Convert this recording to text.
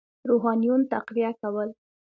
روحانیون تقویه کول.